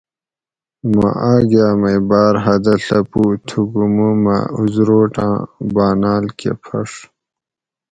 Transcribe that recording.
مہۤ آۤگاۤ مئ باۤر حدہ ڷپُو تھُکو مُو مہۤ اُزروٹاۤں باۤناۤل کہ پھڛ